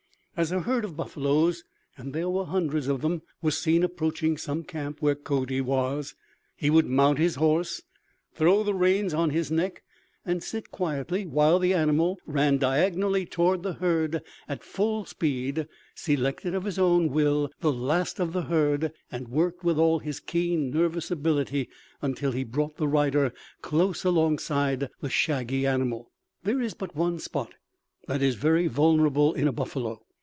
As a herd of buffaloes and there were hundreds of them was seen approaching some camp where Cody was, he would mount his horse, throw the reins on his neck, and sit quietly while the animal ran diagonally toward the herd at full speed, selected of his own will the last of the herd, and worked with all his keen, nervous ability until he brought his rider close alongside the shaggy animal. There is but one spot that is very vulnerable in a buffalo.